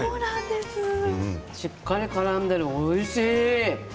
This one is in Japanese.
しっかりからんでいるおいしい。